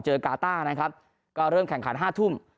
กาต้านะครับก็เริ่มแข่งขัน๕ทุ่ม